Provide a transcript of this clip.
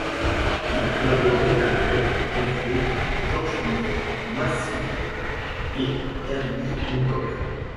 Il a collaboré avec, entre autres, George Clinton, Macy Gray et Herbie Hancock.